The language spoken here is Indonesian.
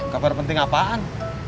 kabar penting apaan